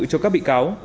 cho các bị cáo